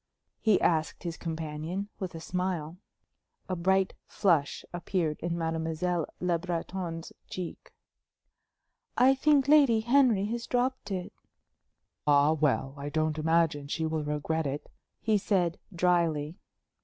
he asked his companion, with a smile. A bright flush appeared in Mademoiselle Le Breton's cheek. "I think Lady Henry has dropped it." "Ah, well, I don't imagine she will regret it;" he said, dryly.